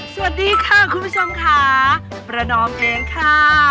สวัสดีค่ะคุณผู้ชมค่ะประนอมเองค่ะ